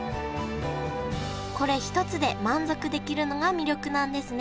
これ一つで満足できるのが魅力なんですね